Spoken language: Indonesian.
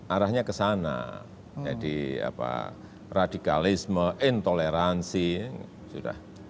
arahnya ke sana jadi radikalisme intoleransi sudah